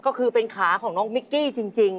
ก็คือเป็นขาของน้องมิกกี้จริง